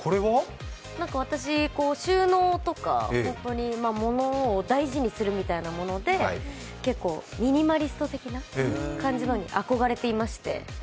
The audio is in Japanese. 私、収納とか物を大事にするということで、結構、ミニマリスト的な感じに憧れていまして。